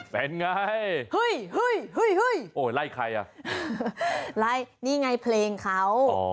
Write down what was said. เป็นไงเฮ้ยเฮ้ยเฮ้ยเฮ้ยโอ้ยไล่ใครอ่ะไล่นี่ไงเพลงเขาอ๋อ